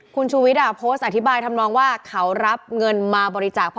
คุณชูวิทย์โพสต์อธิบายทำนองว่าเขารับเงินมาบริจาค